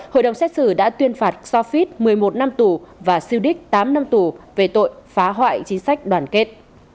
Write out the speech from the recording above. hội đồng xét xử đã tuyên phạt custophit một mươi một năm tù và siudik tám năm tù về tội phá hoại chính sách đoàn kết